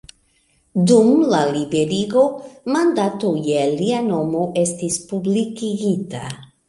Dum la Liberigo, mandato je lia nomo estis publikigita.